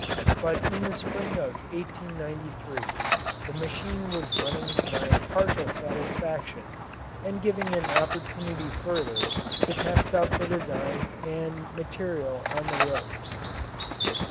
But in the spring of 1893 the machine was running to my partial satisfaction and giving an opportunity further to test out the design and material on the road.